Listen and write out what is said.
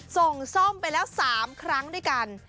ส่งซ่อมไปแล้ว๓ครั้งด้วยกัน